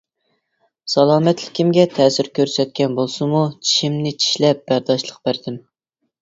سالامەتلىكىمگە تەسىر كۆرسەتكەن بولسىمۇ، چىشىمنى چىشلەپ بەرداشلىق بەردىم.